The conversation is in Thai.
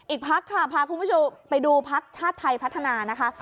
อีกพักค่ะพาคุณผู้ชมไปดูพักชาติไทยพัฒนานะคะ